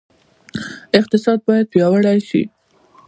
اقتصاد باید پیاوړی شي